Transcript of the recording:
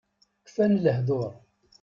Kfan lehdur.